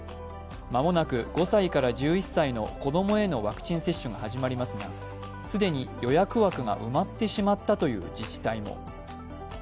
間もなく５歳から１１歳の子供へのワクチン接種が始まりますが既に予約枠が埋まってしまったという自治体も。